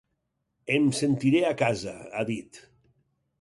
Em sentiré a casa, ha dit.